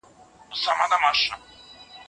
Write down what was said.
چاپېريال د انسان پر فکر اغېز کوي.